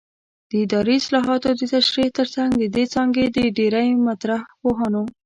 د اداري اصطلاحاتو د تشریح ترڅنګ د دې څانګې د ډېری مطرح پوهانو